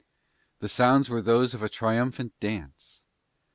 The sounds were those of a triumphant dance.